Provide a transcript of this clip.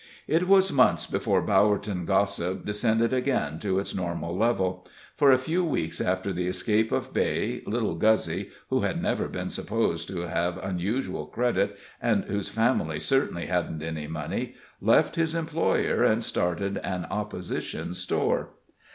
It was months before Bowerton gossip descended again to its normal level; for a few weeks after the escape of Beigh, little Guzzy, who had never been supposed to have unusual credit, and whose family certainly hadn't any money, left his employer and started an opposition store.